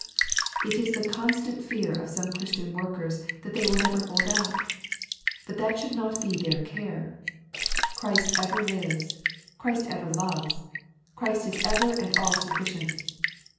It is the constant fear of some Christian workers that they will never hold out. But that should not be their care. Christ ever lives, Christ ever loves, Christ is ever and all sufficient.